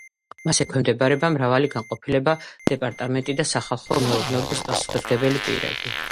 მას ექვემდებარება მრავალი განყოფილება, დეპარტამენტი და სახალხო მეურნეობის პასუხისმგებელი პირები.